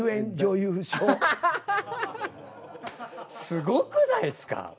すごくないですか？